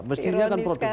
meskipun produk itu